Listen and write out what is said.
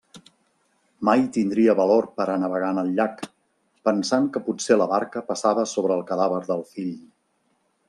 Mai tindria valor per a navegar en el llac, pensant que potser la barca passava sobre el cadàver del fill.